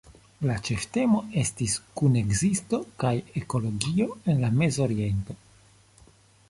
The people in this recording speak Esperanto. La ĉeftemo estis “kunekzisto kaj ekologio en la Mezoriento".